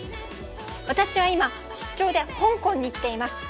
私は今出張で香港に来ています。